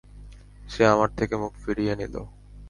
সে আমার থেকে মুখ ফিরিয়ে নিল।